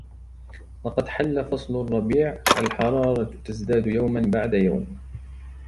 لقد حل فصل الربيع ، الحرارة تزداد يوما بعد يوم.